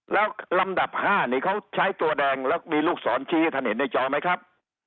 แล้วลำดับ๕นี่เขาใช้ตัวแดงแล้วมีลูกศรชี้ให้ท่านเห็นในจอไหมครับ